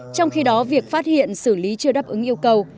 trong khi đó việc phát hiện xử lý chưa đáp ứng yêu cầu